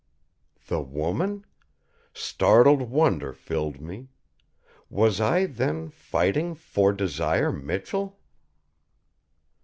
The woman? Startled wonder filled me. Was I then fighting for Desire Michell?